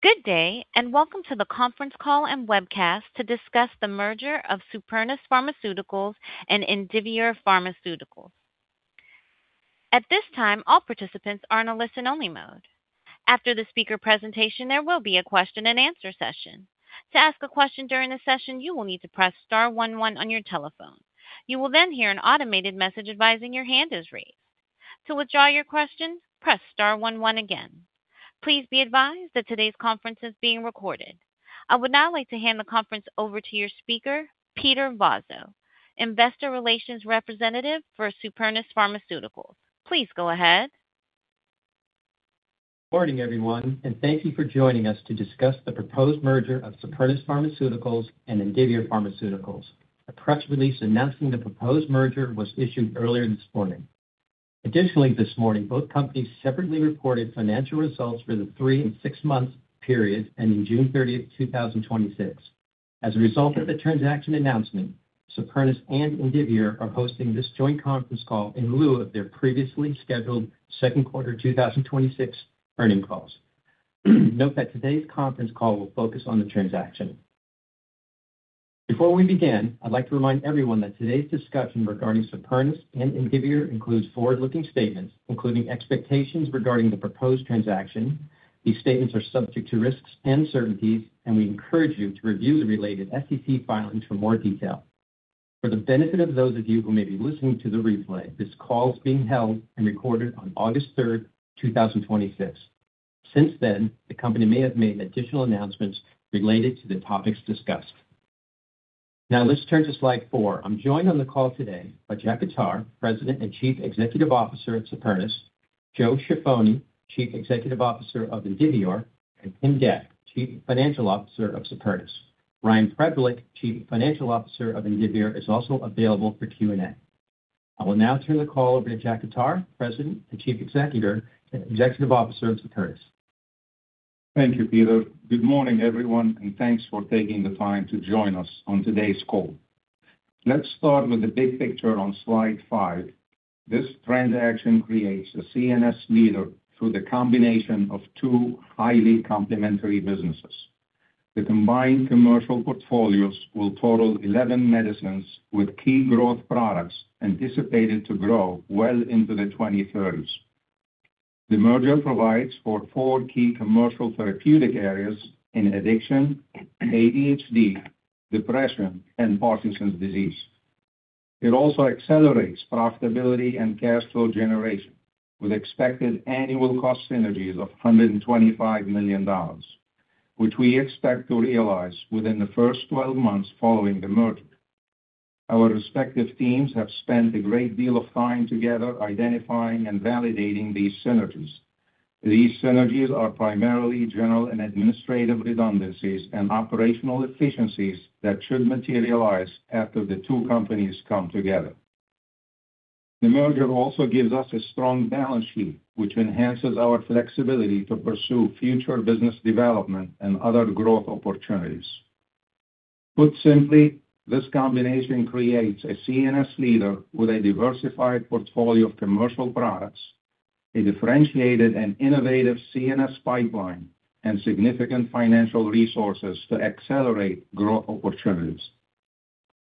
Good day, welcome to the conference call and webcast to discuss the merger of Supernus Pharmaceuticals and Indivior Pharmaceuticals. At this time, all participants are in a listen-only mode. After the speaker presentation, there will be a question and answer session. To ask a question during the session, you will need to press star one one on your telephone. You will hear an automated message advising your hand is raised. To withdraw your question, press star one one again. Please be advised that today's conference is being recorded. I would like to hand the conference over to your speaker, Peter Vye, Investor Relations Representative for Supernus Pharmaceuticals. Please go ahead. Morning, everyone, thank you for joining us to discuss the proposed merger of Supernus Pharmaceuticals and Indivior Pharmaceuticals. A press release announcing the proposed merger was issued earlier this morning. This morning, both companies separately reported financial results for the three- and six-month periods ending June 30th, 2026. As a result of the transaction announcement, Supernus and Indivior are hosting this joint conference call in lieu of their previously scheduled second quarter 2026 earnings calls. Note that today's conference call will focus on the transaction. Before we begin, I'd like to remind everyone that today's discussion regarding Supernus and Indivior includes forward-looking statements, including expectations regarding the proposed transaction. These statements are subject to risks and uncertainties, we encourage you to review the related SEC filings for more detail. For the benefit of those of you who may be listening to the replay, this call is being held and recorded on August 3rd, 2026. Since then, the company may have made additional announcements related to the topics discussed. Let's turn to slide four. I'm joined on the call today by Jack Khattar, President and Chief Executive Officer at Supernus, Joe Ciaffoni, Chief Executive Officer of Indivior, and Tim Dec, Chief Financial Officer of Supernus. Ryan Preblick, Chief Financial Officer of Indivior, is also available for Q&A. I will turn the call over to Jack Khattar, President and Chief Executive Officer of Supernus. Thank you, Peter. Good morning, everyone, thanks for taking the time to join us on today's call. Let's start with the big picture on slide five. This transaction creates a CNS leader through the combination of two highly complementary businesses. The combined commercial portfolios will total 11 medicines with key growth products anticipated to grow well into the 2030s. The merger provides for four key commercial therapeutic areas in addiction, ADHD, depression, and Parkinson's disease. It also accelerates profitability and cash flow generation with expected annual cost synergies of $125 million, which we expect to realize within the first 12 months following the merger. Our respective teams have spent a great deal of time together identifying and validating these synergies. These synergies are primarily general and administrative redundancies and operational efficiencies that should materialize after the two companies come together. The merger also gives us a strong balance sheet, which enhances our flexibility to pursue future business development and other growth opportunities. Put simply, this combination creates a CNS leader with a diversified portfolio of commercial products, a differentiated and innovative CNS pipeline, and significant financial resources to accelerate growth opportunities.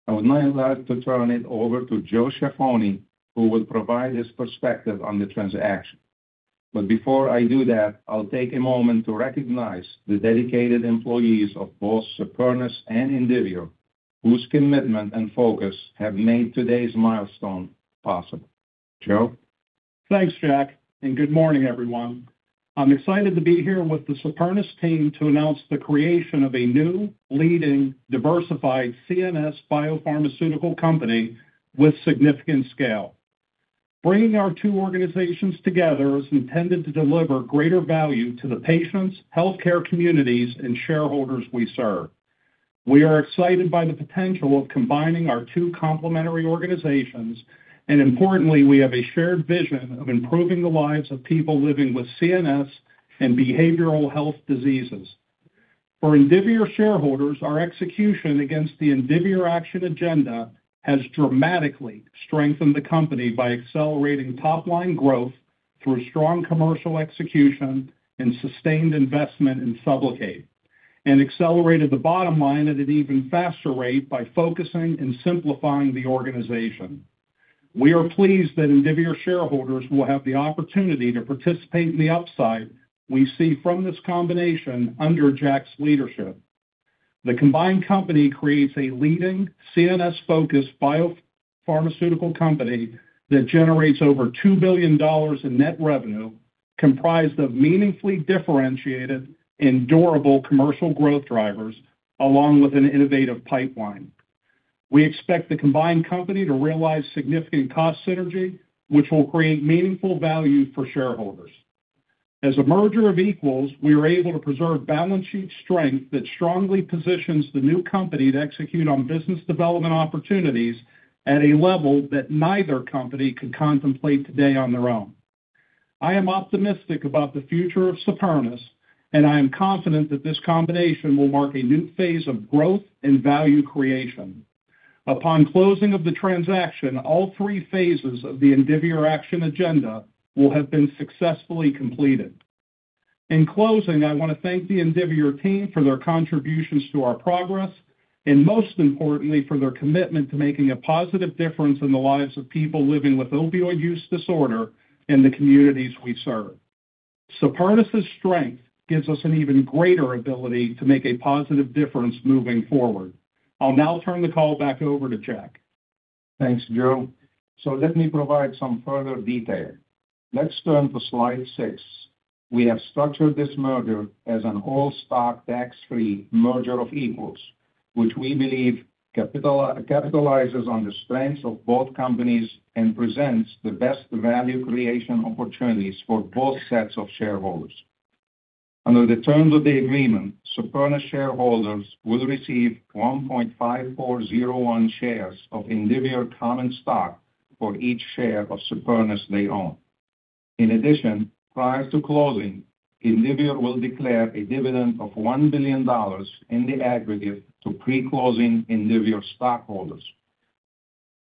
I would now like to turn it over to Joe Ciaffoni, who will provide his perspective on the transaction. Before I do that, I'll take a moment to recognize the dedicated employees of both Supernus and Indivior, whose commitment and focus have made today's milestone possible. Joe? Thanks, Jack, and good morning, everyone. I'm excited to be here with the Supernus team to announce the creation of a new leading diversified CNS biopharmaceutical company with significant scale. Bringing our two organizations together is intended to deliver greater value to the patients, healthcare communities, and shareholders we serve. We are excited by the potential of combining our two complementary organizations. Importantly, we have a shared vision of improving the lives of people living with CNS and behavioral health diseases. For Indivior shareholders, our execution against the Indivior Action Agenda has dramatically strengthened the company by accelerating top-line growth through strong commercial execution and sustained investment in SUBLOCADE, accelerated the bottom line at an even faster rate by focusing and simplifying the organization. We are pleased that Indivior shareholders will have the opportunity to participate in the upside we see from this combination under Jack's leadership. The combined company creates a leading CNS-focused biopharmaceutical company that generates over $2 billion in net revenue, comprised of meaningfully differentiated and durable commercial growth drivers, along with an innovative pipeline. We expect the combined company to realize significant cost synergy, which will create meaningful value for shareholders. As a merger of equals, we are able to preserve balance sheet strength that strongly positions the new company to execute on business development opportunities at a level that neither company could contemplate today on their own. I am optimistic about the future of Supernus. I am confident that this combination will mark a new phase of growth and value creation. Upon closing of the transaction, all three phases of the Indivior Action Agenda will have been successfully completed. In closing, I want to thank the Indivior team for their contributions to our progress. Most importantly, for their commitment to making a positive difference in the lives of people living with opioid use disorder in the communities we serve. Supernus' strength gives us an even greater ability to make a positive difference moving forward. I'll now turn the call back over to Jack. Thanks, Joe. Let me provide some further detail. Let's turn to slide six. We have structured this merger as an all-stock, tax-free merger of equals, which we believe capitalizes on the strengths of both companies and presents the best value creation opportunities for both sets of shareholders. Under the terms of the agreement, Supernus shareholders will receive 1.5401 shares of Indivior common stock for each share of Supernus they own. In addition, prior to closing, Indivior will declare a dividend of $1 billion in the aggregate to pre-closing Indivior stockholders.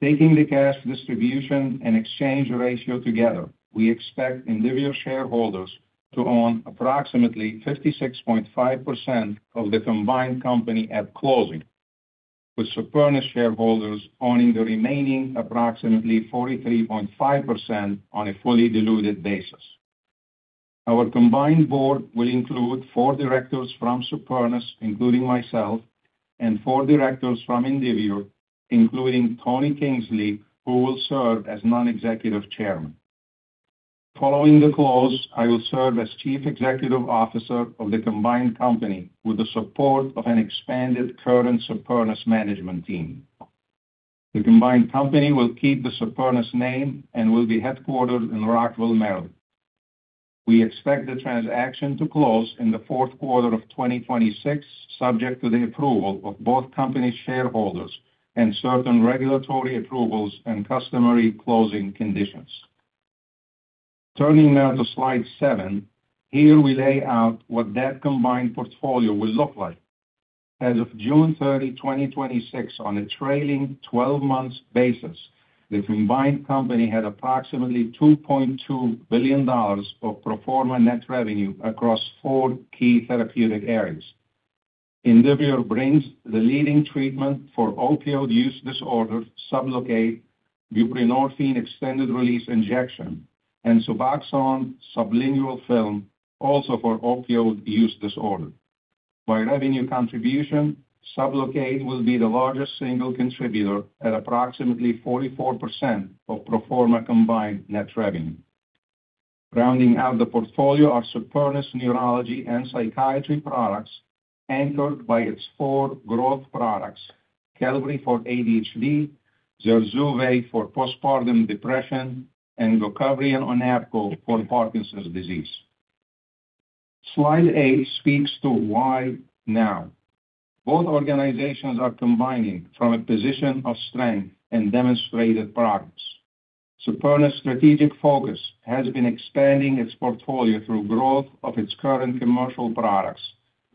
Taking the cash distribution and exchange ratio together, we expect Indivior shareholders to own approximately 56.5% of the combined company at closing, with Supernus shareholders owning the remaining approximately 43.5% on a fully diluted basis. Our combined board will include four directors from Supernus, including myself, and four directors from Indivior, including Tony Kingsley, who will serve as non-executive chairman. Following the close, I will serve as chief executive officer of the combined company with the support of an expanded current Supernus management team. The combined company will keep the Supernus name and will be headquartered in Rockville, Maryland. We expect the transaction to close in the fourth quarter of 2026, subject to the approval of both company shareholders and certain regulatory approvals and customary closing conditions. Turning now to slide seven. Here we lay out what that combined portfolio will look like. As of June 30, 2026, on a trailing 12-months basis, the combined company had approximately $2.2 billion of pro forma net revenue across four key therapeutic areas. Indivior brings the leading treatment for opioid use disorder, SUBLOCADE, buprenorphine extended release injection, and SUBOXONE sublingual film, also for opioid use disorder. By revenue contribution, SUBLOCADE will be the largest single contributor at approximately 44% of pro forma combined net revenue. Rounding out the portfolio are Supernus neurology and psychiatry products, anchored by its four growth products, Qelbree for ADHD, ZURZUVAE for postpartum depression, and Onapgo for Parkinson's disease. Slide eight speaks to why now. Both organizations are combining from a position of strength and demonstrated progress. Supernus' strategic focus has been expanding its portfolio through growth of its current commercial products,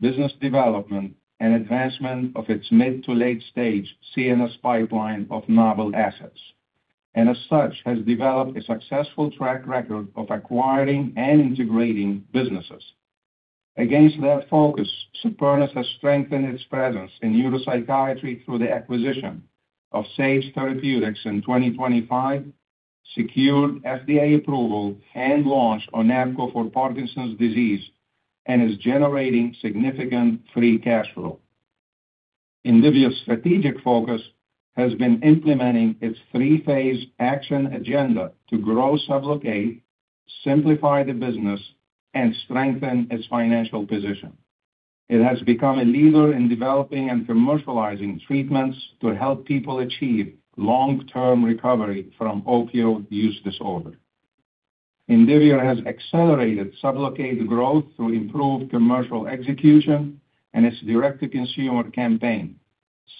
business development, and advancement of its mid to late stage CNS pipeline of novel assets, and as such, has developed a successful track record of acquiring and integrating businesses. Against that focus, Supernus has strengthened its presence in neuropsychiatry through the acquisition of Sage Therapeutics in 2025, secured FDA approval and launched Onapgo for Parkinson's disease, and is generating significant free cash flow. Indivior's strategic focus has been implementing its three-phase Indivior Action Agenda to grow SUBLOCADE, simplify the business, and strengthen its financial position. It has become a leader in developing and commercializing treatments to help people achieve long-term recovery from opioid use disorder. Indivior has accelerated SUBLOCADE growth through improved commercial execution and its direct-to-consumer campaign,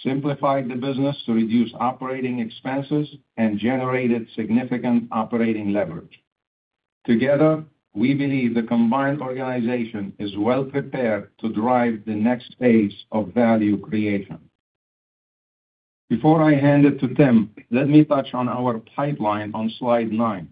simplifying the business to reduce operating expenses and generated significant operating leverage. Together, we believe the combined organization is well prepared to drive the next phase of value creation. Before I hand it to Tim, let me touch on our pipeline on slide nine.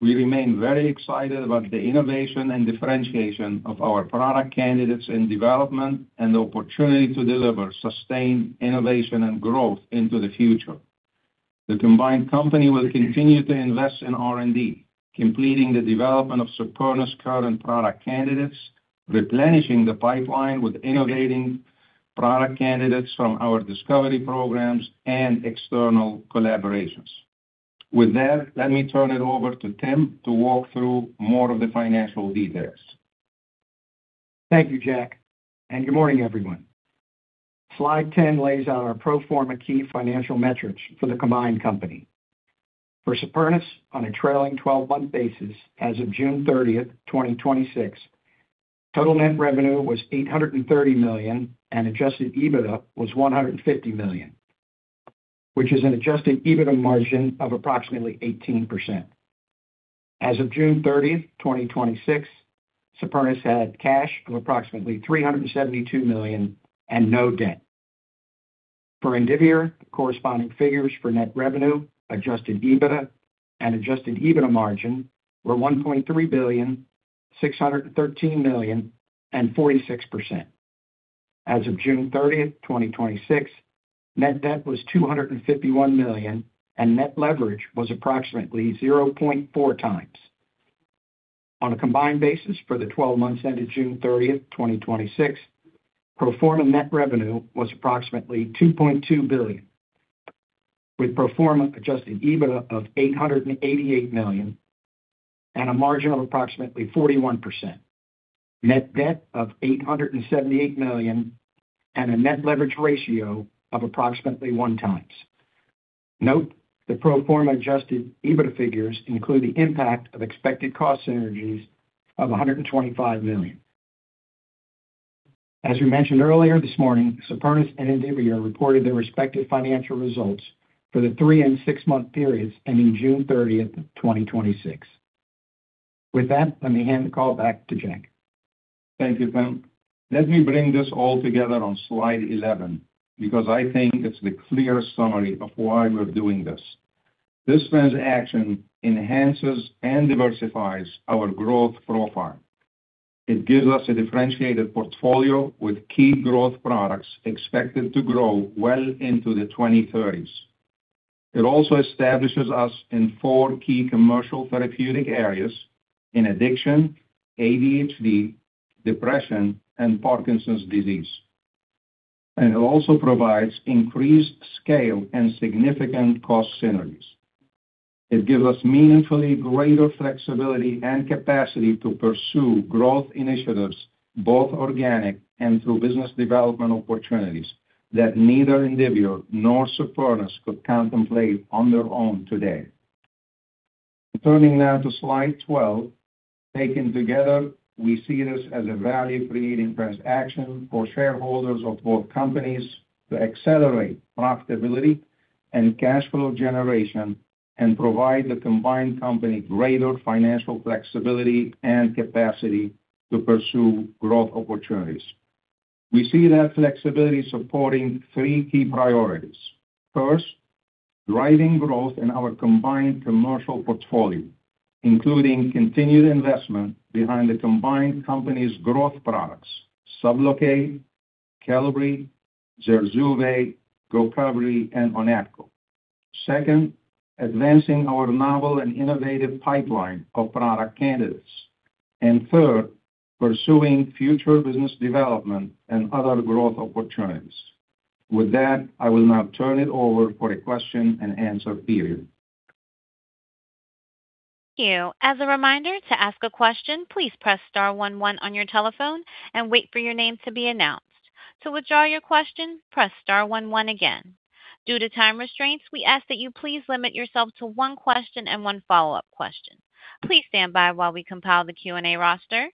We remain very excited about the innovation and differentiation of our product candidates in development and the opportunity to deliver sustained innovation and growth into the future. The combined company will continue to invest in R&D, completing the development of Supernus' current product candidates, replenishing the pipeline with innovating product candidates from our discovery programs and external collaborations. With that, let me turn it over to Tim to walk through more of the financial details. Thank you, Jack, and good morning, everyone. Slide 10 lays out our pro forma key financial metrics for the combined company. For Supernus, on a trailing 12-month basis, as of June 30, 2026, total net revenue was $830 million and adjusted EBITDA was $150 million, which is an adjusted EBITDA margin of approximately 18%. As of June 30th, 2026, Supernus had cash of approximately $372 million and no debt. For Indivior, the corresponding figures for net revenue, adjusted EBITDA, and adjusted EBITDA margin were $1.3 billion, $613 million, and 46%. As of June 30th, 2026, net debt was $251 million and net leverage was approximately 0.4x. On a combined basis for the 12 months ended June 30th, 2026, pro forma net revenue was approximately $2.2 billion with pro forma adjusted EBITDA of $888 million and a margin of approximately 41%, net debt of $878 million, and a net leverage ratio of approximately one times. Note, the pro forma adjusted EBITDA figures include the impact of expected cost synergies of $125 million. As we mentioned earlier this morning, Supernus and Indivior reported their respective financial results for the three and six-month periods ending June 30th, 2026. With that, let me hand the call back to Jack. Thank you, Tim. Let me bring this all together on slide 11, because I think it's the clear summary of why we're doing this. This transaction enhances and diversifies our growth profile. It gives us a differentiated portfolio with key growth products expected to grow well into the 2030s. It also establishes us in four key commercial therapeutic areas in addiction, ADHD, depression, and Parkinson's disease. It also provides increased scale and significant cost synergies. It gives us meaningfully greater flexibility and capacity to pursue growth initiatives, both organic and through business development opportunities that neither Indivior nor Supernus could contemplate on their own today. Turning now to slide 12. Taken together, we see this as a value-creating transaction for shareholders of both companies to accelerate profitability and cash flow generation and provide the combined company greater financial flexibility and capacity to pursue growth opportunities. We see that flexibility supporting three key priorities. First, driving growth in our combined commercial portfolio, including continued investment behind the combined company's growth products, SUBLOCADE, Qelbree, ZURZUVAE, Gocovri, and Onapgo. Second, advancing our novel and innovative pipeline of product candidates. Third, pursuing future business development and other growth opportunities. With that, I will now turn it over for a question and answer period. Thank you. As a reminder, to ask a question, please press star one one on your telephone and wait for your name to be announced. To withdraw your question, press star one one again. Due to time restraints, we ask that you please limit yourself to one question and one follow-up question. Please stand by while we compile the Q&A roster.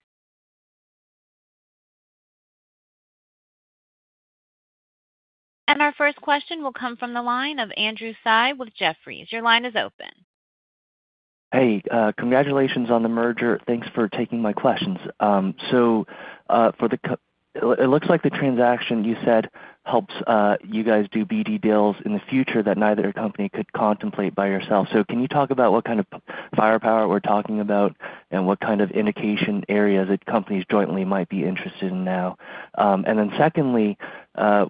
Our first question will come from the line of Andrew Tsai with Jefferies. Your line is open. Hey, congratulations on the merger. Thanks for taking my questions. It looks like the transaction you said helps you guys do BD deals in the future that neither company could contemplate by yourself. Can you talk about what kind of firepower we're talking about and what kind of indication areas that companies jointly might be interested in now? Secondly,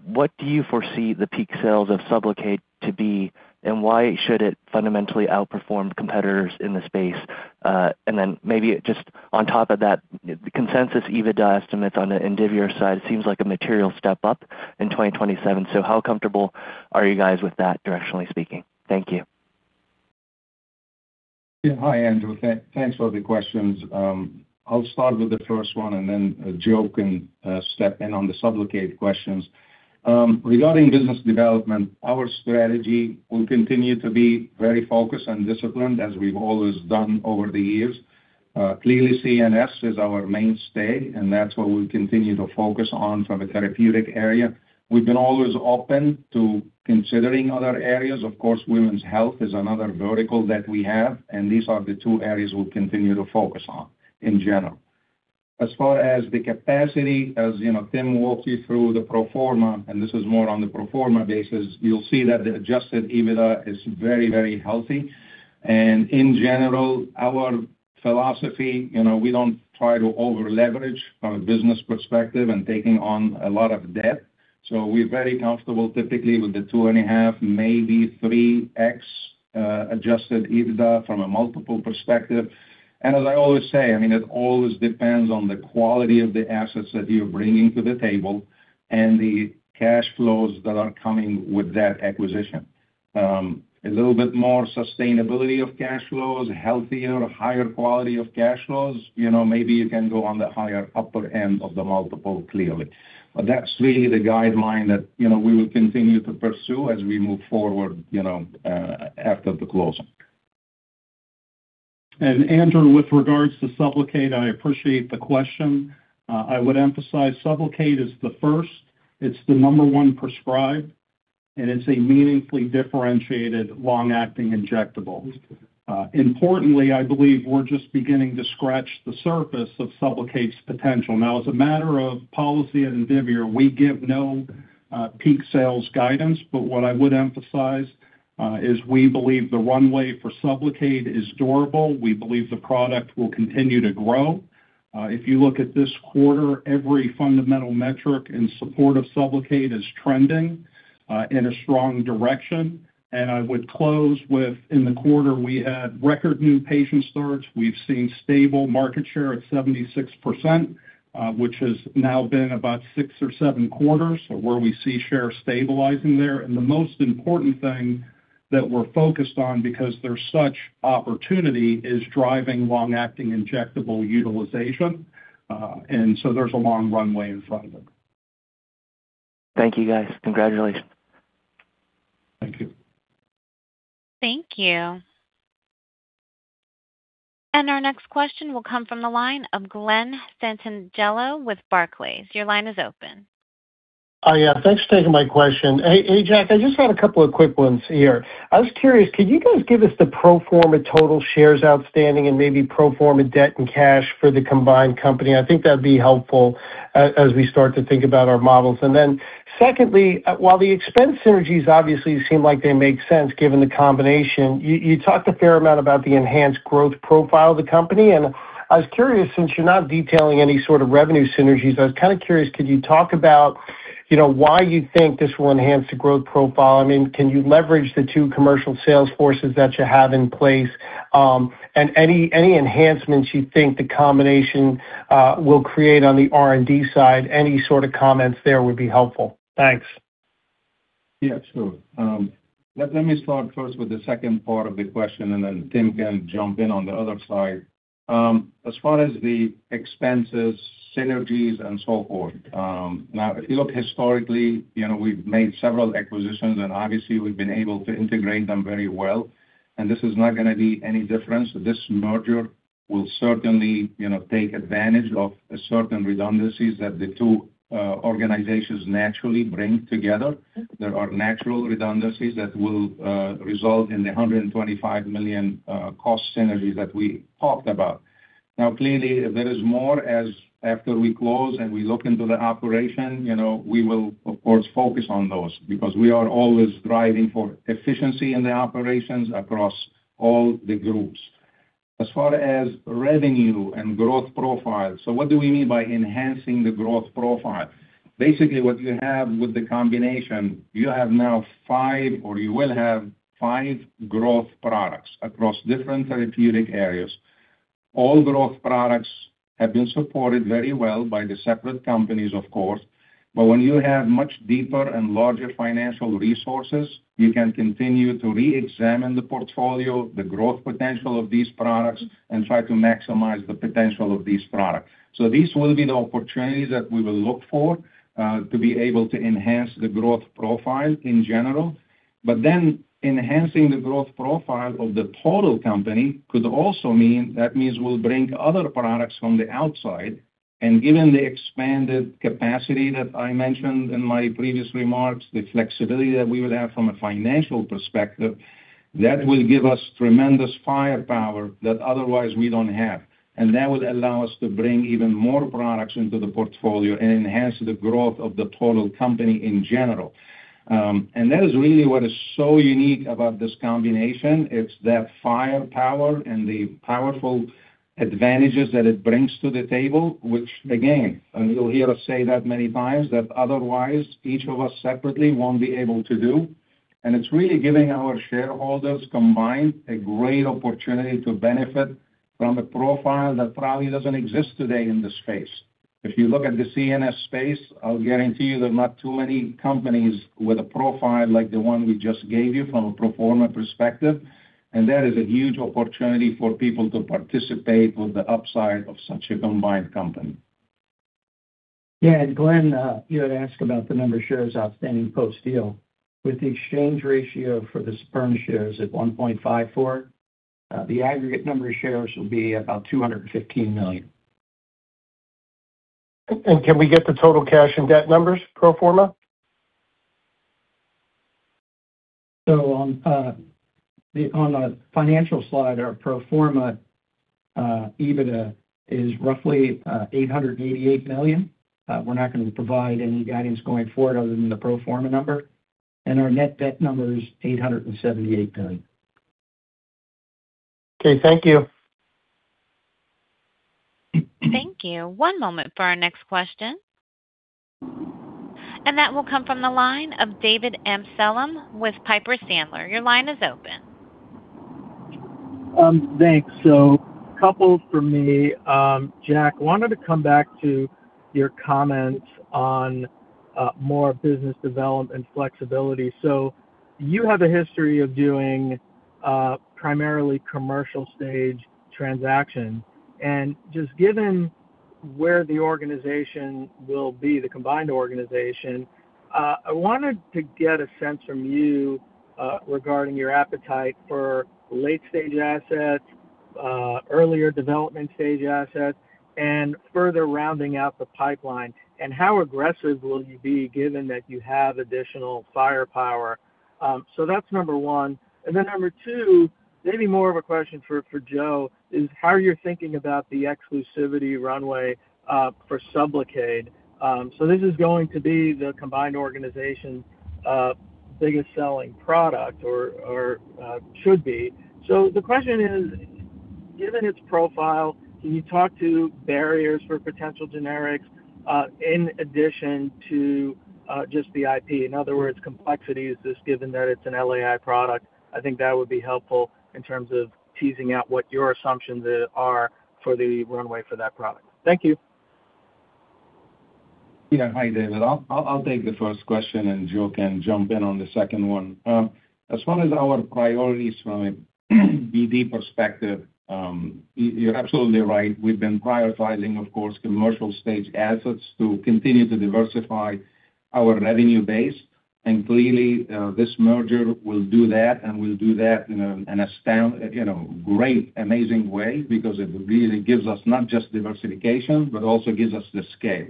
what do you foresee the peak sales of SUBLOCADE to be, and why should it fundamentally outperform competitors in the space? Maybe just on top of that, the consensus EBITDA estimates on the Indivior side seems like a material step up in 2027. How comfortable are you guys with that, directionally speaking? Thank you. Hi, Andrew. Thanks for the questions. I'll start with the first one. Joe can step in on the SUBLOCADE questions. Regarding business development, our strategy will continue to be very focused and disciplined as we've always done over the years. CNS is our mainstay, and that's what we'll continue to focus on from a therapeutic area. We've been always open to considering other areas. Women's health is another vertical that we have, and these are the two areas we'll continue to focus on in general. As far as the capacity, as Tim walked you through the pro forma, and this is more on the pro forma basis, you'll see that the adjusted EBITDA is very healthy. In general, our philosophy, we don't try to over-leverage from a business perspective and taking on a lot of debt. We're very comfortable typically with the 2.5, maybe 3x adjusted EBITDA from a multiple perspective. As I always say, it always depends on the quality of the assets that you're bringing to the table and the cash flows that are coming with that acquisition. A little bit more sustainability of cash flows, healthier, higher quality of cash flows, maybe you can go on the higher upper end of the multiple, clearly. That's really the guideline that we will continue to pursue as we move forward after the closing. Andrew, with regards to SUBLOCADE, I appreciate the question. I would emphasize SUBLOCADE is the first, it's the number one prescribed. It's a meaningfully differentiated long-acting injectable. Importantly, I believe we're just beginning to scratch the surface of SUBLOCADE's potential. As a matter of policy at Indivior, we give no peak sales guidance, but what I would emphasize is we believe the runway for SUBLOCADE is durable. We believe the product will continue to grow. If you look at this quarter, every fundamental metric in support of SUBLOCADE is trending in a strong direction. I would close with, in the quarter, we had record new patient starts. We've seen stable market share at 76%, which has now been about six or seven quarters where we see shares stabilizing there. The most important thing that we're focused on, because there's such opportunity, is driving long-acting injectable utilization. There's a long runway in front of it. Thank you, guys. Congratulations. Thank you. Thank you. Our next question will come from the line of Glen Santangelo with Barclays. Your line is open. Yeah. Thanks for taking my question. Hey, Jack, I just had a couple of quick ones here. I was curious, could you guys give us the pro forma total shares outstanding and maybe pro forma debt and cash for the combined company? I think that'd be helpful as we start to think about our models. Then secondly, while the expense synergies obviously seem like they make sense given the combination, you talked a fair amount about the enhanced growth profile of the company. I was curious, since you're not detailing any sort of revenue synergies, I was kind of curious, could you talk about why you think this will enhance the growth profile? Can you leverage the two commercial sales forces that you have in place? Any enhancements you think the combination will create on the R&D side, any sort of comments there would be helpful. Thanks. Yeah, sure. Let me start first with the second part of the question, and then Tim can jump in on the other side. As far as the expenses, synergies and so forth. This merger will certainly take advantage of certain redundancies that the two organizations naturally bring together. There are natural redundancies that will result in the $125 million cost synergies that we talked about. Clearly, there is more as after we close and we look into the operation, we will, of course, focus on those because we are always striving for efficiency in the operations across all the groups. As far as revenue and growth profile. What do we mean by enhancing the growth profile? Basically, what you have with the combination, you have now five, or you will have five growth products across different therapeutic areas. All growth products have been supported very well by the separate companies, of course. When you have much deeper and larger financial resources, you can continue to reexamine the portfolio, the growth potential of these products, and try to maximize the potential of these products. These will be the opportunities that we will look for to be able to enhance the growth profile in general. Enhancing the growth profile of the total company could also mean that means we'll bring other products from the outside. Given the expanded capacity that I mentioned in my previous remarks, the flexibility that we will have from a financial perspective, that will give us tremendous firepower that otherwise we don't have. That would allow us to bring even more products into the portfolio and enhance the growth of the total company in general. That is really what is so unique about this combination. It's that firepower and the powerful advantages that it brings to the table, which again, you'll hear us say that many times, that otherwise each of us separately won't be able to do. It's really giving our shareholders combined a great opportunity to benefit from a profile that probably doesn't exist today in the space. If you look at the CNS space, I'll guarantee you there are not too many companies with a profile like the one we just gave you from a pro forma perspective. That is a huge opportunity for people to participate on the upside of such a combined company. Yeah. Glen, you had asked about the number of shares outstanding post-deal. With the exchange ratio for the Supernus shares at 1.54, the aggregate number of shares will be about 215 million. Can we get the total cash and debt numbers pro forma? On the financial slide, our pro forma EBITDA is roughly $888 million. We're not going to provide any guidance going forward other than the pro forma number. Our net debt number is $878 million. Okay. Thank you. Thank you. One moment for our next question. That will come from the line of David Amsellem with Piper Sandler. Your line is open. Thanks. Couples for me. Jack, wanted to come back to your comments on more business development and flexibility. You have a history of doing primarily commercial stage transactions. Just given where the organization will be, the combined organization, I wanted to get a sense from you regarding your appetite for late-stage assets earlier development stage assets and further rounding out the pipeline. How aggressive will you be given that you have additional firepower? That's number one. Number two, maybe more of a question for Joe, is how you're thinking about the exclusivity runway for SUBLOCADE. This is going to be the combined organization's biggest selling product or should be. The question is, given its profile, can you talk to barriers for potential generics, in addition to just the IP? In other words, complexities, just given that it's an LAI product. I think that would be helpful in terms of teasing out what your assumptions are for the runway for that product. Thank you. Yeah. Hi, David. I'll take the first question, Joe can jump in on the second one. As far as our priorities from a BD perspective, you're absolutely right. We've been prioritizing, of course, commercial stage assets to continue to diversify our revenue base. Clearly, this merger will do that and will do that in a great, amazing way because it really gives us not just diversification, but also gives us the scale.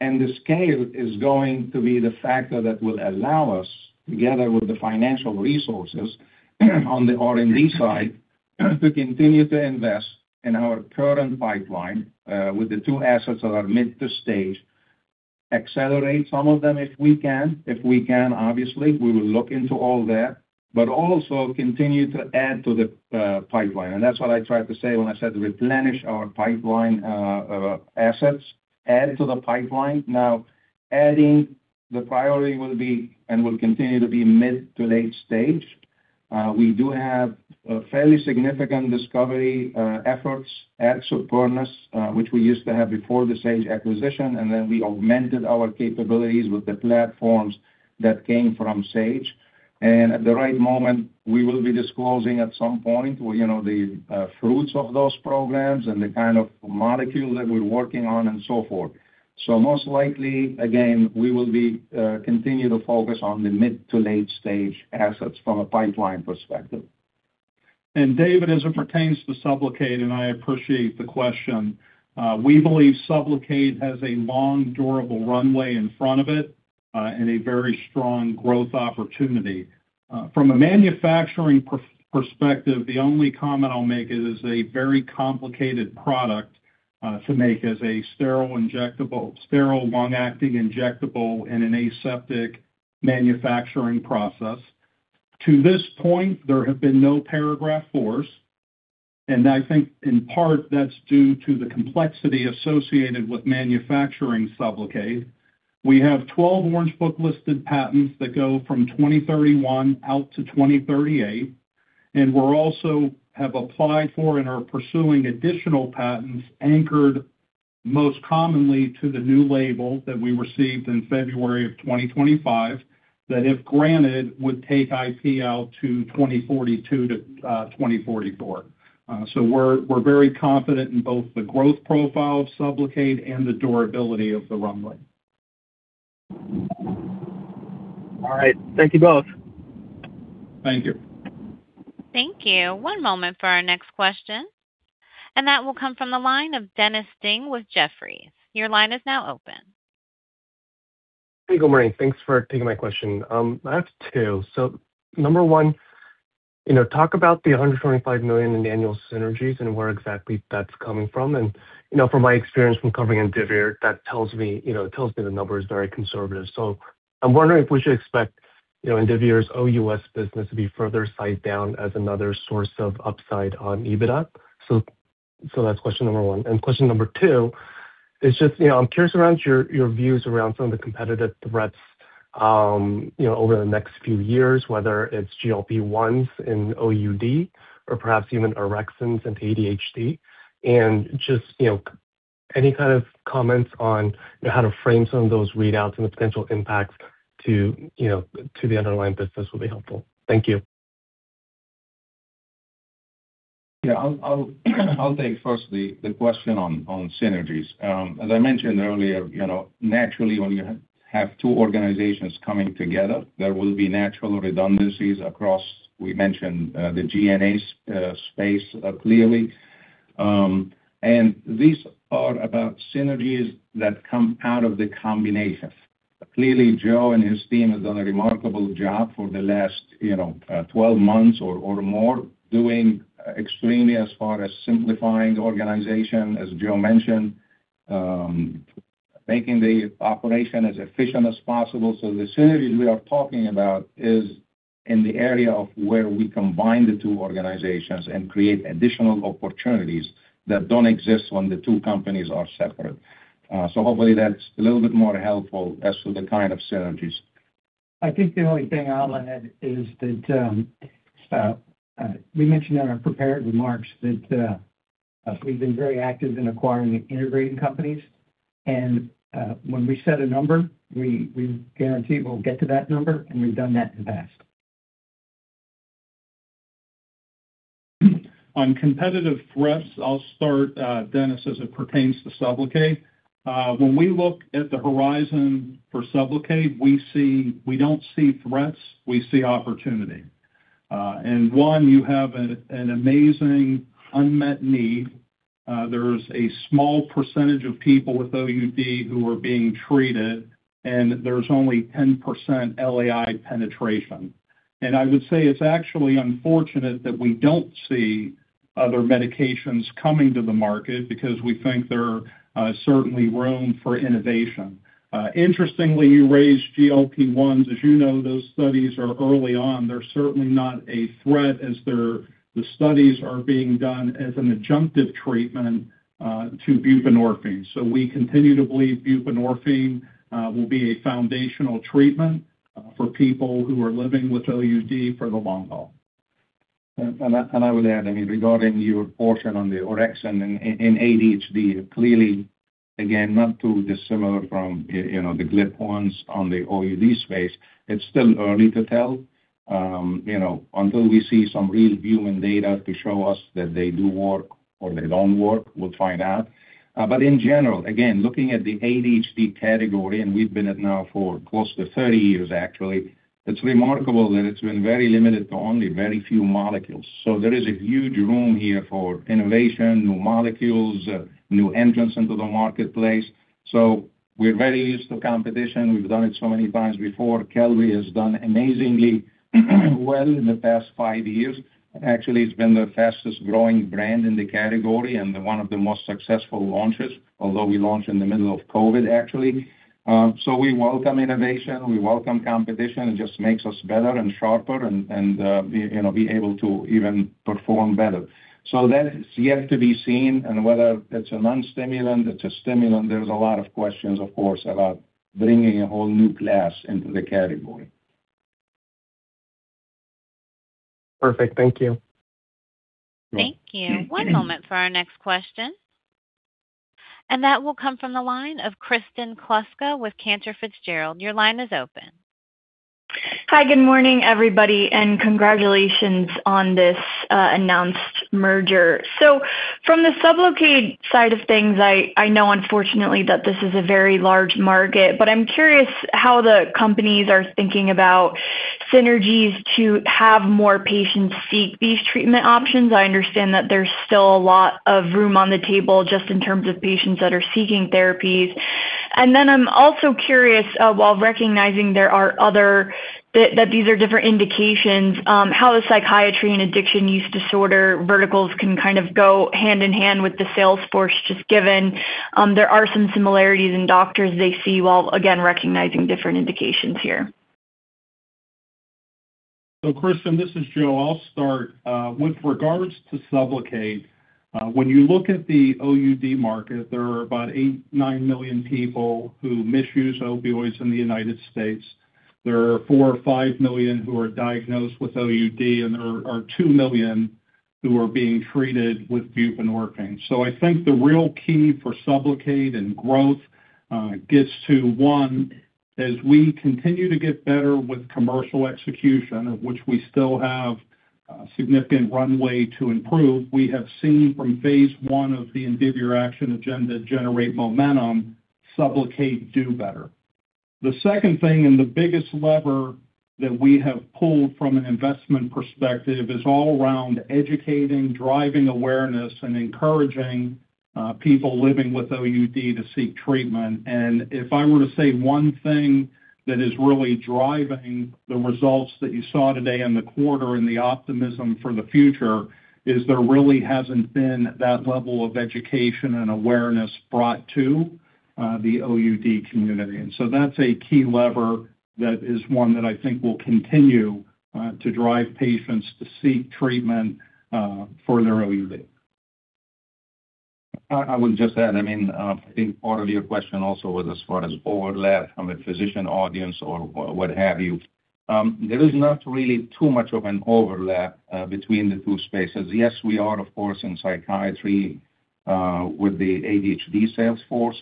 The scale is going to be the factor that will allow us, together with the financial resources on the R&D side, to continue to invest in our current pipeline, with the two assets that are mid-to-stage, accelerate some of them if we can. If we can, obviously, we will look into all that, but also continue to add to the pipeline. That's what I tried to say when I said replenish our pipeline assets, add to the pipeline. Adding the priority will be and will continue to be mid to late stage. We do have fairly significant discovery efforts at Supernus, which we used to have before the Sage acquisition, then we augmented our capabilities with the platforms that came from Sage. At the right moment, we will be disclosing at some point the fruits of those programs and the kind of molecule that we're working on and so forth. Most likely, again, we will continue to focus on the mid to late stage assets from a pipeline perspective. David, as it pertains to SUBLOCADE, and I appreciate the question, we believe SUBLOCADE has a long, durable runway in front of it, and a very strong growth opportunity. From a manufacturing perspective, the only comment I'll make is it's a very complicated product to make as a sterile long-acting injectable in an aseptic manufacturing process. To this point, there have been no Paragraph IV, and I think in part that's due to the complexity associated with manufacturing SUBLOCADE. We have 12 Orange Book-listed patents that go from 2031 out to 2038, and we also have applied for and are pursuing additional patents anchored most commonly to the new label that we received in February of 2025, that, if granted, would take IP out to 2042 to 2044. We're very confident in both the growth profile of SUBLOCADE and the durability of the runway. All right. Thank you both. Thank you. Thank you. One moment for our next question, and that will come from the line of Dennis Ding with Jefferies. Your line is now open. Hey, good morning. Thanks for taking my question. I have two. Number one, talk about the $125 million in annual synergies and where exactly that's coming from. From my experience from covering Indivior, that tells me the number is very conservative. I'm wondering if we should expect Indivior's OUS business to be further sized down as another source of upside on EBITDA? That's question number one. Question number two is just, I'm curious around your views around some of the competitive threats over the next few years, whether it's GLP-1s in OUD or perhaps even orexins and ADHD. Just any kind of comments on how to frame some of those readouts and the potential impacts to the underlying business would be helpful. Thank you. Yeah. I'll take first the question on synergies. As I mentioned earlier, naturally when you have two organizations coming together, there will be natural redundancies across, we mentioned, the G&A space clearly. These are about synergies that come out of the combination. Clearly, Joe and his team have done a remarkable job for the last 12 months or more doing extremely as far as simplifying the organization, as Joe mentioned, making the operation as efficient as possible. The synergies we are talking about is in the area of where we combine the two organizations and create additional opportunities that don't exist when the two companies are separate. Hopefully that's a little bit more helpful as to the kind of synergies. I think the only thing I'll add is that we mentioned in our prepared remarks that we've been very active in acquiring and integrating companies, and when we set a number, we guarantee we'll get to that number, and we've done that in the past. On competitive threats, I'll start, Dennis, as it pertains to SUBLOCADE. When we look at the horizon for SUBLOCADE, we don't see threats, we see opportunity. One, you have an amazing unmet need. There's a small percentage of people with OUD who are being treated, and there's only 10% LAI penetration. I would say it's actually unfortunate that we don't see other medications coming to the market because we think there are certainly room for innovation. Interestingly, you raised GLP-1s. As you know, those studies are early on. They're certainly not a threat as the studies are being done as an adjunctive treatment to buprenorphine. We continue to believe buprenorphine will be a foundational treatment for people who are living with OUD for the long haul. I would add, regarding your portion on the orexin in ADHD, clearly, again, not too dissimilar from the GLP-1s on the OUD space, it's still early to tell. Until we see some real human data to show us that they do work or they don't work, we'll find out. In general, again, looking at the ADHD category, and we've been at it now for close to 30 years actually, it's remarkable that it's been very limited to only very few molecules. There is a huge room here for innovation, new molecules, new entrants into the marketplace. We're very used to competition. We've done it so many times before. Qelbree has done amazingly well in the past five years. Actually, it's been the fastest growing brand in the category and one of the most successful launches, although we launched in the middle of COVID, actually. We welcome innovation, we welcome competition. It just makes us better and sharper and be able to even perform better. That is yet to be seen, and whether it's a non-stimulant, it's a stimulant, there's a lot of questions, of course, about bringing a whole new class into the category. Perfect. Thank you. Thank you. One moment for our next question. That will come from the line of Kristen Kluska with Cantor Fitzgerald. Your line is open. Hi, good morning, everybody, and congratulations on this announced merger. From the SUBLOCADE side of things, I know unfortunately that this is a very large market, but I am curious how the companies are thinking about synergies to have more patients seek these treatment options. I understand that there is still a lot of room on the table just in terms of patients that are seeking therapies. I am also curious, while recognizing that these are different indications, how the psychiatry and addiction use disorder verticals can kind of go hand in hand with the sales force, just given there are some similarities in doctors they see while, again, recognizing different indications here. Kristen, this is Joe. I will start. With regards to SUBLOCADE, when you look at the OUD market, there are about eight, nine million people who misuse opioids in the U.S. There are four or five million who are diagnosed with OUD, and there are two million who are being treated with buprenorphine. I think the real key for SUBLOCADE and growth gets to one, as we continue to get better with commercial execution, of which we still have significant runway to improve, we have seen from phase I of the Indivior Action Agenda generate momentum, SUBLOCADE do better. The second thing, the biggest lever that we have pulled from an investment perspective, is all around educating, driving awareness, and encouraging people living with OUD to seek treatment. If I were to say one thing that is really driving the results that you saw today in the quarter and the optimism for the future is there really has not been that level of education and awareness brought to the OUD community. That is a key lever that is one that I think will continue to drive patients to seek treatment for their OUD. I would just add, I think part of your question also was as far as overlap from a physician audience or what have you. There is not really too much of an overlap between the two spaces. Yes, we are, of course, in psychiatry with the ADHD sales force.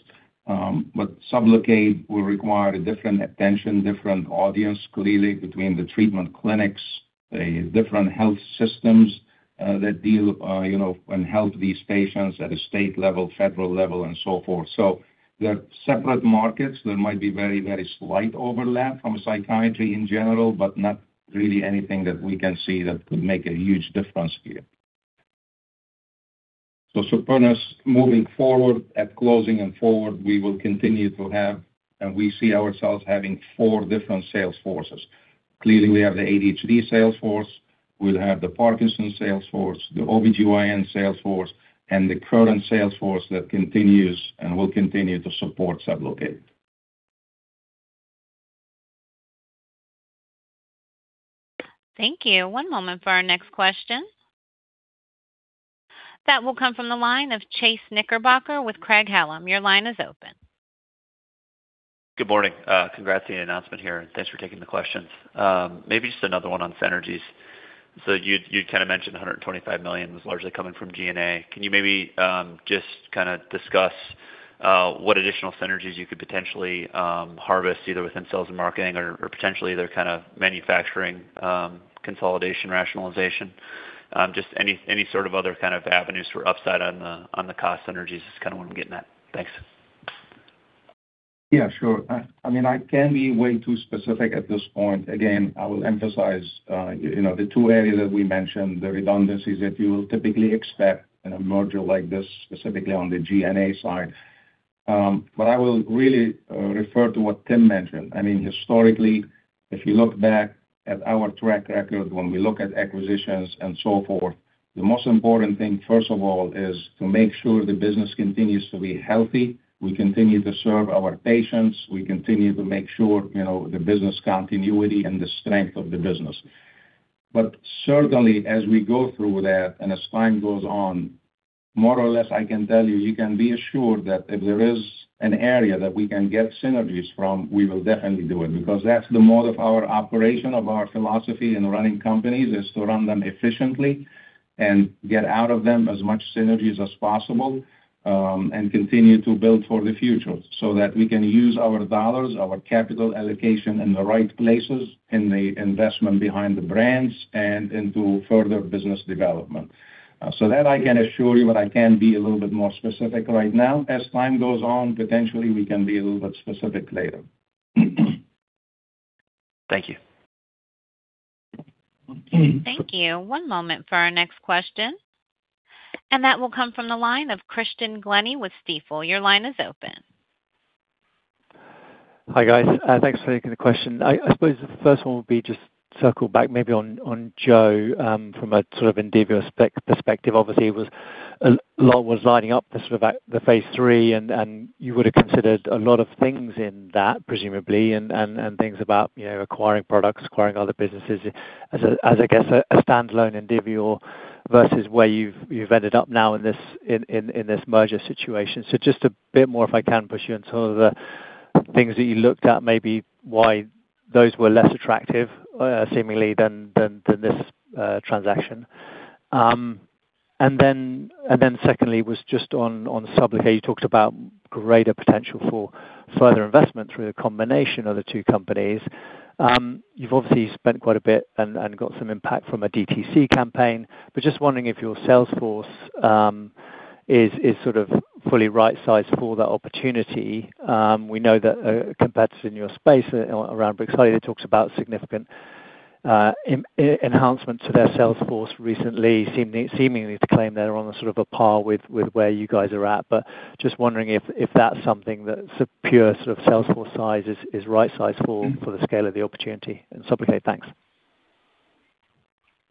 SUBLOCADE will require a different attention, different audience, clearly, between the treatment clinics, the different health systems that deal and help these patients at a state level, federal level, and so forth. They are separate markets. There might be very slight overlap from psychiatry in general, but not really anything that we can see that could make a huge difference here. Supernus, at closing and forward, we will continue to have, and we see ourselves having four different sales forces. Clearly, we have the ADHD sales force, we'll have the Parkinson's sales force, the OBGYN sales force, and the current sales force that continues and will continue to support SUBLOCADE. Thank you. One moment for our next question. That will come from the line of Chase Knickerbocker with Craig-Hallum. Your line is open. Good morning. Congrats on the announcement here, thanks for taking the questions. Maybe just another one on synergies. You kind of mentioned $125 million was largely coming from G&A. Can you maybe just discuss what additional synergies you could potentially harvest, either within sales and marketing or potentially other kind of manufacturing consolidation rationalization? Just any sort of other kind of avenues for upside on the cost synergies is kind of what I'm getting at. Thanks. Yeah, sure. I can't be way too specific at this point. Again, I will emphasize the two areas that we mentioned, the redundancies that you will typically expect in a merger like this, specifically on the G&A side. I will really refer to what Tim mentioned. Historically, if you look back at our track record, when we look at acquisitions and so forth, the most important thing, first of all, is to make sure the business continues to be healthy. We continue to serve our patients. We continue to make sure the business continuity and the strength of the business. Certainly, as we go through that, as time goes on, more or less, I can tell you can be assured that if there is an area that we can get synergies from, we will definitely do it, because that's the mode of our operation, of our philosophy in running companies, is to run them efficiently and get out of them as much synergies as possible, and continue to build for the future so that we can use our dollars, our capital allocation in the right places in the investment behind the brands and into further business development. That I can assure you, but I can't be a little bit more specific right now. As time goes on, potentially, we can be a little bit specific later. Thank you. Thank you. One moment for our next question. That will come from the line of Christian Glennie with Stifel. Your line is open. Hi, guys. Thanks for taking the question. I suppose the first one will be just circle back maybe on Joe from a sort of Indivior spec perspective. Obviously, a lot was lining up the sort of at the phase III, you would have considered a lot of things in that, presumably, things about acquiring products, acquiring other businesses as, I guess, a standalone Indivior versus where you've ended up now in this merger situation. Just a bit more, if I can push you on some of the things that you looked at, maybe why those were less attractive, seemingly, than this transaction. Then secondly was just on SUBLOCADE, you talked about greater potential for further investment through the combination of the two companies. You've obviously spent quite a bit and got some impact from a DTC campaign. Just wondering if your sales force is sort of fully right-sized for that opportunity. We know that a competitor in your space around Brixadi talks about significant enhancements to their sales force recently, seemingly to claim they're on a sort of a par with where you guys are at. Just wondering if that's something that's a pure sort of sales force size is right-sized for the scale of the opportunity in SUBLOCADE. Thanks.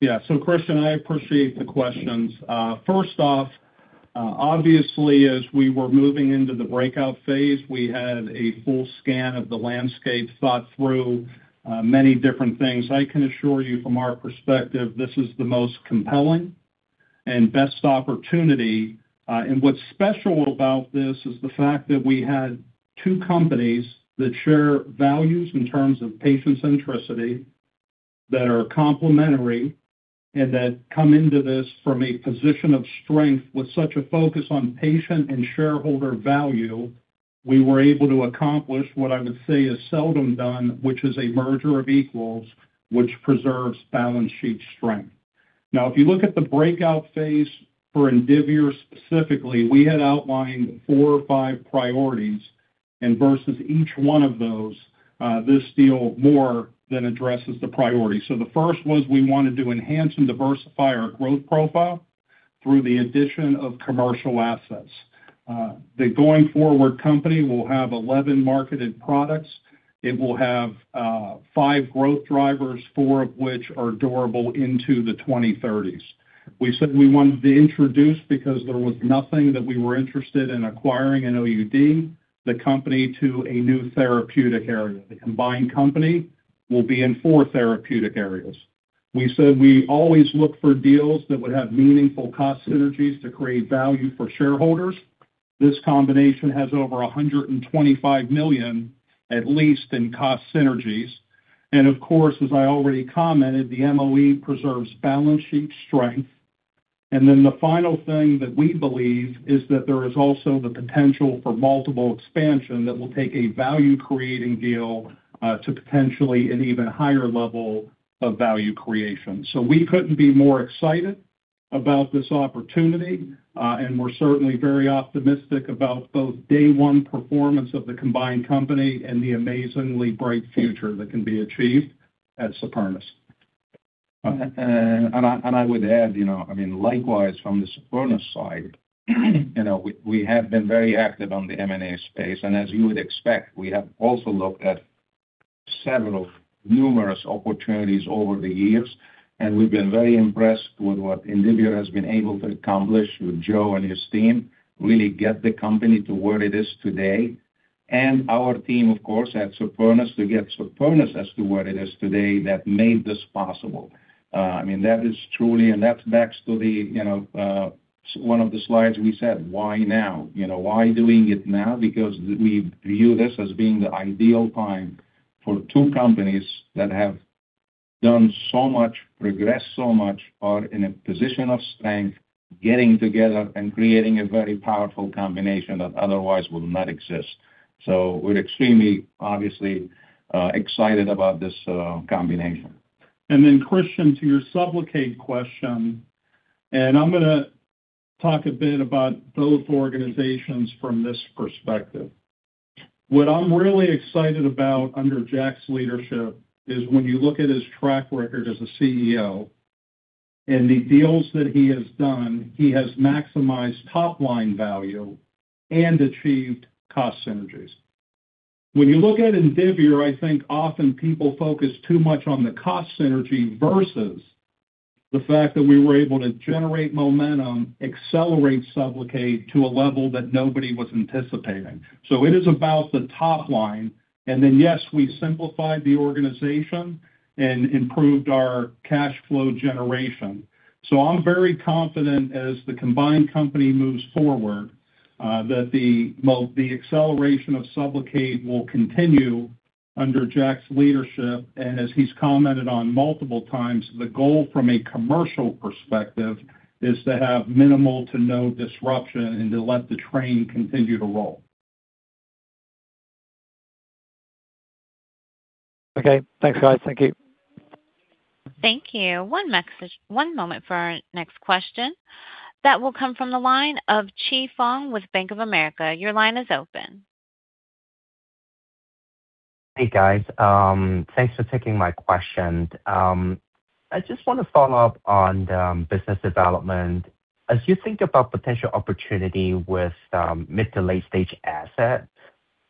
Yeah. Christian, I appreciate the questions. First off, obviously, as we were moving into the breakout phase, we had a full scan of the landscape, thought through many different things. I can assure you from our perspective, this is the most compelling and best opportunity. What's special about this is the fact that we had two companies that share values in terms of patient centricity that are complementary and that come into this from a position of strength with such a focus on patient and shareholder value, we were able to accomplish what I would say is seldom done, which is a merger of equals, which preserves balance sheet strength. If you look at the breakout phase for Indivior, specifically, we had outlined four or five priorities, versus each one of those, this deal more than addresses the priority. The first was we wanted to enhance and diversify our growth profile through the addition of commercial assets. The going forward company will have 11 marketed products. It will have five growth drivers, four of which are durable into the 2030s. We said we wanted to introduce because there was nothing that we were interested in acquiring an OUD, the company to a new therapeutic area. The combined company will be in four therapeutic areas. We said we always look for deals that would have meaningful cost synergies to create value for shareholders. This combination has over $125 million, at least in cost synergies. Of course, as I already commented, the MOE preserves balance sheet strength. The final thing that we believe is that there is also the potential for multiple expansion that will take a value-creating deal to potentially an even higher level of value creation. We couldn't be more excited about this opportunity. We're certainly very optimistic about both day one performance of the combined company and the amazingly bright future that can be achieved at Supernus. I would add, likewise from the Supernus side, we have been very active on the M&A space. As you would expect, we have also looked at several numerous opportunities over the years, and we've been very impressed with what Indivior has been able to accomplish with Joe and his team, really get the company to where it is today. Our team, of course, at Supernus to get Supernus to where it is today that made this possible. That is truly, and that's back to one of the slides we said, why now? Why do it now? Because we view this as being the ideal time for two companies that have done so much, progressed so much, are in a position of strength getting together and creating a very powerful combination that otherwise would not exist. We're extremely, obviously, excited about this combination. Christian, to your SUBLOCADE question, I'm going to talk a bit about both organizations from this perspective. What I'm really excited about under Jack's leadership is when you look at his track record as a CEO and the deals that he has done, he has maximized top-line value and achieved cost synergies. When you look at Indivior, I think often people focus too much on the cost synergy versus the fact that we were able to generate momentum, accelerate SUBLOCADE to a level that nobody was anticipating. It is about the top line, and then, yes, we simplified the organization and improved our cash flow generation. I'm very confident as the combined company moves forward, that the acceleration of SUBLOCADE will continue under Jack's leadership. As he's commented on multiple times, the goal from a commercial perspective is to have minimal to no disruption and to let the train continue to roll. Okay. Thanks, guys. Thank you. Thank you. One moment for our next question. That will come from the line of Chi Fong with Bank of America. Your line is open. Hey, guys. Thanks for taking my question. I just want to follow up on the business development. As you think about potential opportunity with mid to late-stage asset,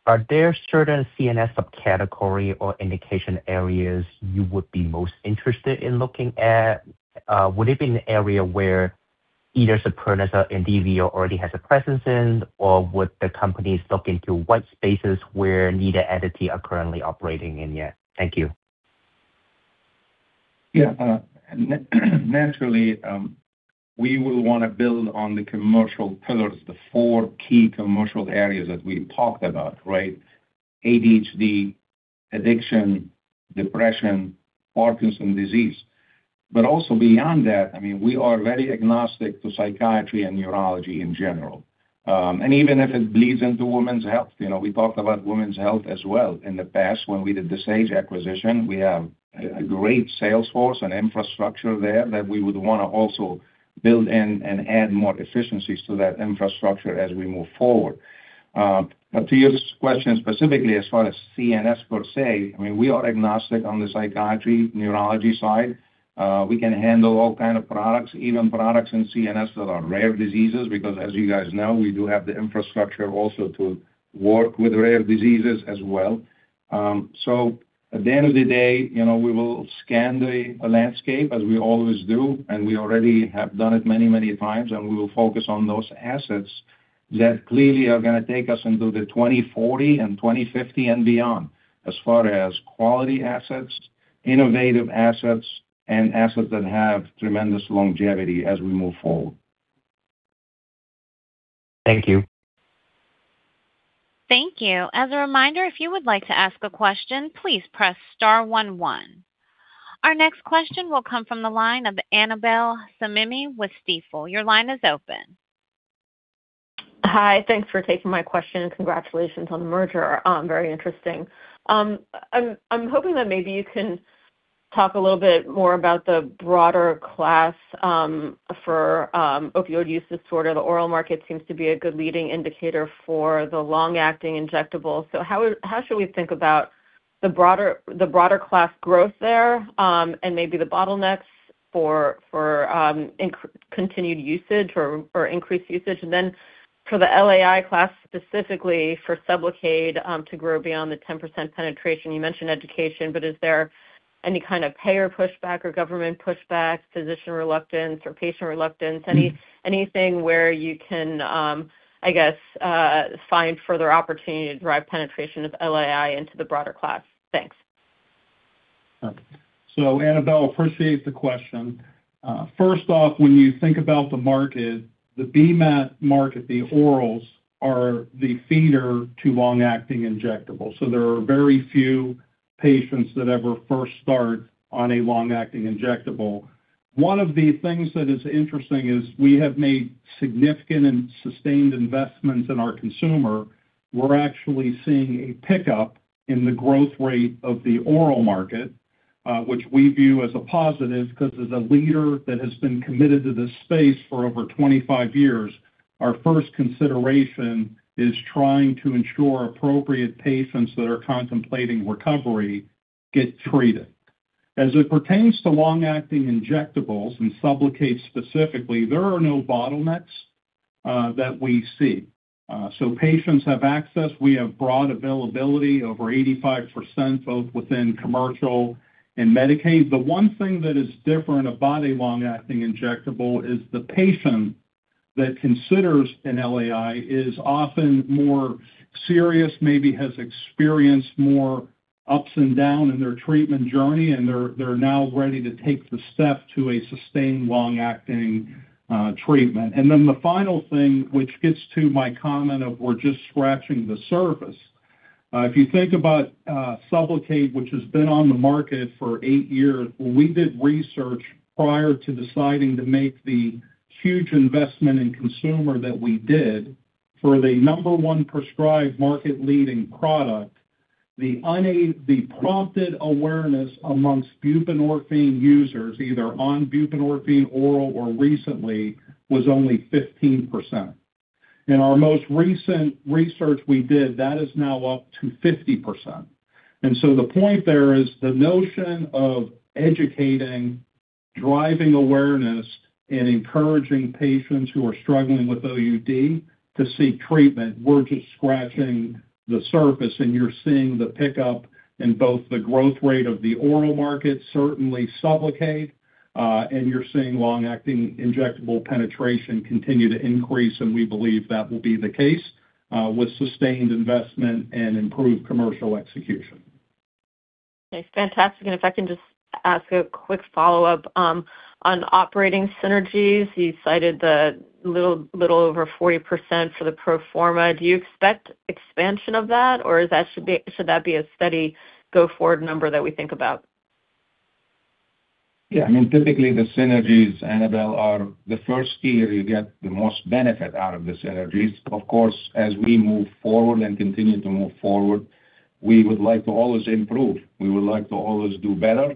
are there certain CNS subcategory or indication areas you would be most interested in looking at? Would it be an area where either Supernus or Indivior already has a presence in, or would the companies look into what spaces where neither entity are currently operating in yet? Thank you. Yeah. Naturally, we will want to build on the commercial pillars, the four key commercial areas that we talked about, right? ADHD, addiction, depression, Parkinson's disease. Also beyond that, we are very agnostic to psychiatry and neurology in general. Even if it bleeds into women's health. We talked about women's health as well in the past when we did the Sage acquisition. We have a great sales force and infrastructure there that we would want to also build in and add more efficiencies to that infrastructure as we move forward. To your question specifically, as far as CNS per se, we are agnostic on the psychiatry, neurology side. We can handle all kind of products, even products in CNS that are rare diseases, because as you guys know, we do have the infrastructure also to work with rare diseases as well. At the end of the day, we will scan the landscape as we always do, we already have done it many times, we will focus on those assets that clearly are going to take us into the 2040 and 2050 and beyond, as far as quality assets, innovative assets, and assets that have tremendous longevity as we move forward. Thank you. Thank you. As a reminder, if you would like to ask a question, please press star one one. Our next question will come from the line of Annabel Samimy with Stifel. Your line is open. Hi. Thanks for taking my question and congratulations on the merger. Very interesting. I'm hoping that maybe you can talk a little bit more about the broader class for opioid use disorder. The oral market seems to be a good leading indicator for the long-acting injectable. How should we think about the broader class growth there? Maybe the bottlenecks for continued usage or increased usage? Then for the LAI class, specifically for SUBLOCADE, to grow beyond the 10% penetration. You mentioned education, but is there any kind of payer pushback or government pushback, physician reluctance or patient reluctance? Anything where you can, I guess, find further opportunity to drive penetration of LAI into the broader class? Thanks. Annabel, appreciate the question. First off, when you think about the market, the BMAT market, the orals are the feeder to long-acting injectable. There are very few patients that ever first start on a long-acting injectable. One of the things that is interesting is we have made significant and sustained investments in our consumer. We're actually seeing a pickup in the growth rate of the oral market, which we view as a positive because as a leader that has been committed to this space for over 25 years, our first consideration is trying to ensure appropriate patients that are contemplating recovery get treated. As it pertains to long-acting injectables and SUBLOCADE specifically, there are no bottlenecks that we see. Patients have access. We have broad availability, over 85%, both within commercial and Medicaid. The one thing that is different about a long-acting injectable is the patient that considers an LAI is often more serious, maybe has experienced more ups and down in their treatment journey, and they're now ready to take the step to a sustained long-acting treatment. The final thing, which gets to my comment of we're just scratching the surface If you think about SUBLOCADE, which has been on the market for 8 years, when we did research prior to deciding to make the huge investment in consumer that we did for the number one prescribed market-leading product, the prompted awareness amongst buprenorphine users, either on buprenorphine oral or recently, was only 15%. In our most recent research we did, that is now up to 50%. The point there is the notion of educating, driving awareness, and encouraging patients who are struggling with OUD to seek treatment. We're just scratching the surface, you're seeing the pickup in both the growth rate of the oral market, certainly SUBLOCADE, you're seeing long-acting injectable penetration continue to increase, we believe that will be the case with sustained investment and improved commercial execution. Okay. Fantastic. If I can just ask a quick follow-up. On operating synergies, you cited the little over 40% for the pro forma. Do you expect expansion of that, or should that be a steady go-forward number that we think about? Yeah. Typically, the synergies, Annabel, are the first year you get the most benefit out of the synergies. Of course, as we move forward and continue to move forward, we would like to always improve. We would like to always do better.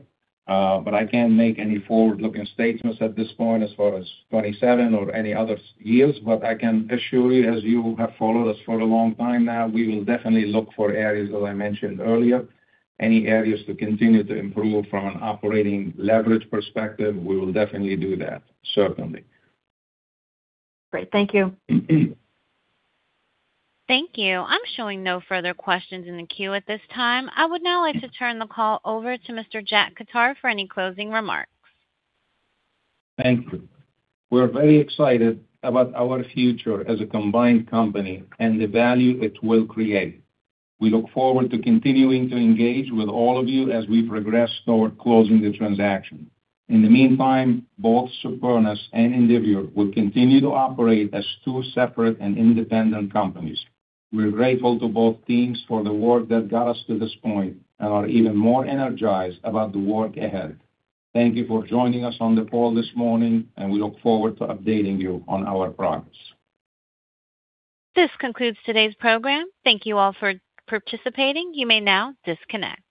I can't make any forward-looking statements at this point as far as 2027 or any other years. I can assure you, as you have followed us for a long time now, we will definitely look for areas, as I mentioned earlier, any areas to continue to improve from an operating leverage perspective, we will definitely do that, certainly. Great. Thank you. Thank you. I'm showing no further questions in the queue at this time. I would now like to turn the call over to Mr. Jack Khattar for any closing remarks. Thank you. We're very excited about our future as a combined company and the value it will create. We look forward to continuing to engage with all of you as we progress toward closing the transaction. In the meantime, both Supernus and Indivior will continue to operate as two separate and independent companies. We're grateful to both teams for the work that got us to this point and are even more energized about the work ahead. Thank you for joining us on the call this morning, and we look forward to updating you on our progress. This concludes today's program. Thank you all for participating. You may now disconnect.